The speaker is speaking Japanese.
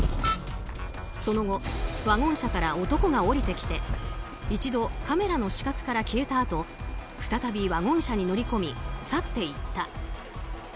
その後ワゴン車から男が降りてきて一度カメラの視角から消えたあと再び、ワゴン車に乗り込み去っていった。